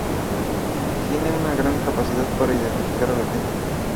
Tiene una gran capacidad para identificar a la gente.